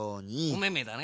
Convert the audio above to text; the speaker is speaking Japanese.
おめめだね。